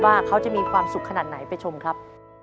ว่าเขาจะมีความสุขขนาดไหนไปชมครับ